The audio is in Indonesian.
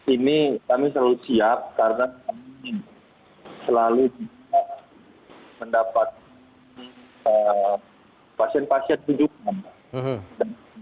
ini kami selalu siap karena kami selalu bisa mendapatkan pasien pasien tujuan